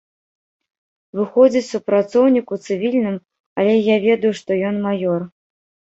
Выходзіць супрацоўнік у цывільным, але я ведаю, што ён маёр.